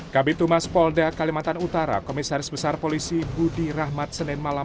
kabit humas polda kalimantan utara komisaris besar polisi budi rahmat senin malam